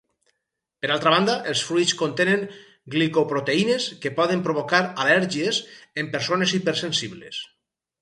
Per altra banda els fruits contenen glicoproteïnes que poden provocar al·lèrgies en persones hipersensibles.